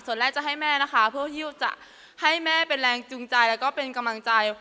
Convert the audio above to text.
ส่วนแรกจะให้แม่นะคะเพื่อที่จะให้แม่เป็นแรงจูงใจแล้วก็เป็นกำลังใจ